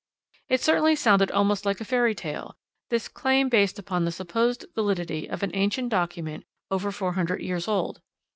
It certainly sounded almost like a fairy tale, this claim based upon the supposed validity of an ancient document over 400 years old.